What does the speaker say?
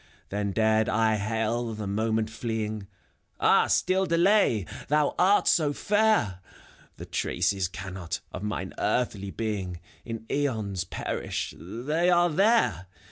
, Then dared I hail the Moment fleeing : ^^Ah, still delay — thou art so fair!'' *"^he traces cannot, of mine earthly being. In aeons perish, — ^they are there!